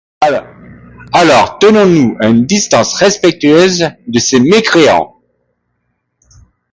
Alors tenons-nous à une distance respectueuse de ces mécréants.